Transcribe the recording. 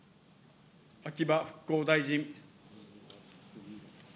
秋葉復興大臣。